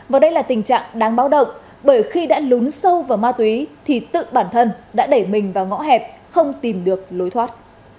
và đây là tình trạng đáng báo động bởi khi đã lún sâu vào ma túy thì tự bản thân đã đẩy mình vào ngõ hẹp không tìm được lối thoát